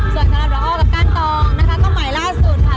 ส่วนสำหรับเราก็กันตองนะคะก็ใหม่ล่าสุดค่ะ